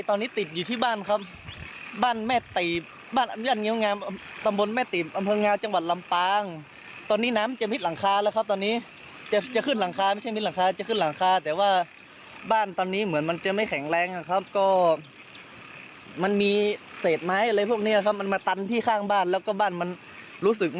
ตอนนี้ติดอยู่ที่บ้านครับบ้านแม่ตีบบ้านอำนาจเงี้ยวงามตำบลแม่ตีบอำเภองาวจังหวัดลำปางตอนนี้น้ำจะมิดหลังคาแล้วครับตอนนี้จะจะขึ้นหลังคาไม่ใช่มิดหลังคาจะขึ้นหลังคาแต่ว่าบ้านตอนนี้เหมือนมันจะไม่แข็งแรงนะครับก็มันมีเศษไม้อะไรพวกนี้นะครับมันมาตันที่ข้างบ้านแล้วก็บ้านมันรู้สึก